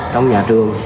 trong nhà trường